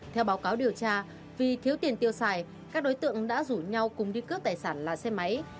theo báo cáo điều tra vì thiếu tiền tiêu xài các đối tượng đã rủ nhau cùng đi cướp tài sản là xe máy